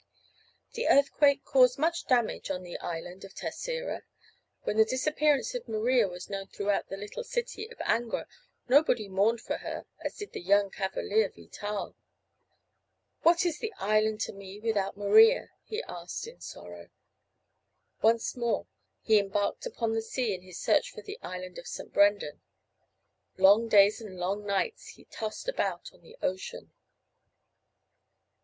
The earthquake caused much damage in the island of Terceira. When the disappearance of Maria was known throughout the little city; of Angra nobody mourned for her as did the young cavalier Vital. "What is the island to me without Maria?" he asked in sorrow. Once more he embarked upon the sea in his search for the island of St. Brendan. Long days and long nights he tossed about on the ocean.